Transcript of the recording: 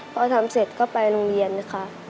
พอทำเสร็จก็ไปโรงเรียนค่ะ